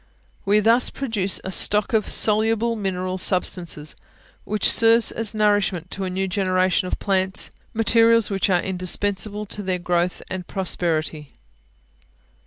We thus produce a stock of soluble mineral substances, which serves as nourishment to a new generation of plants, materials which are indispensable to their growth and prosperity.